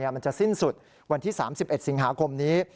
มันจะสิ้นสุดวันที่๓๑สิงหาคมนี้